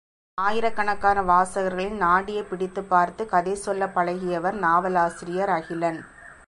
ஆயிரக் கணக்கான வாசகர்களின் நாடியைப் பிடித்துப் பார்த்து கதை சொல்லப் பழகியவர் நாவலாசிரியர் அகிலன்.